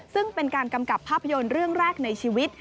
ซึ่งเป็นการกำกับภาพยนตร์เรื่องแรกในชีวิต